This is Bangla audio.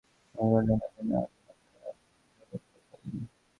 ওই ঘটনার পর থেকে আমাদের মধ্যে অনেকদিন যাবত কথা হয়নি।